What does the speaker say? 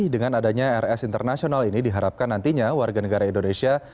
dengan adanya rs international ini diharapkan nantinya warga negara indonesia